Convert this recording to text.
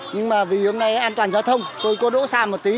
nhưng mà vì hôm nay an toàn giao thông tôi có đỗ xe một tí